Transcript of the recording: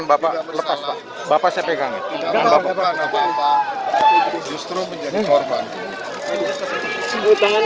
bapak bapak justru menjadi korban